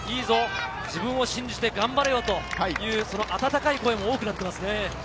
自分を信じて頑張れよという温かい声が多くなっていますね。